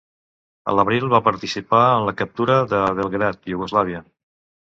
A l'abril va participar en la captura de Belgrad, Iugoslàvia.